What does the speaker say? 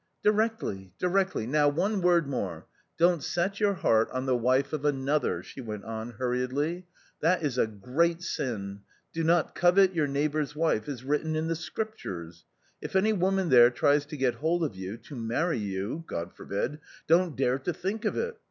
"Directly — directly — now one word more. Don't set y our heart on the wife of anot h er/' she went on hurrie dly. *" t hat is a great sin !' Jjo not covet your neighbour's wife* is written, in irjgjicriptujes. If any woman there tries to giThold of you — to marry you — God forbid !— don't dare to think of it!